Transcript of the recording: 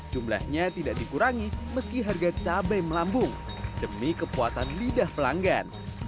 jumlahnya tidak dikurangi meski harga cabai melambung demi kepuasan lidah pelanggan